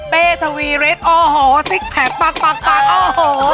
เป๊ทวีเรดโอ้โหซิกแพคปากโอ้โห